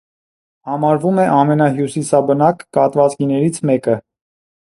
Համարվում է ամենահյուսիսաբնակ կատվազգիներից մեկը։